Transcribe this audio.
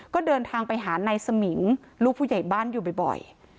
ก็เดินทางไปหานายสมิงลูกผู้ใหญ่บ้านอยู่บ่อย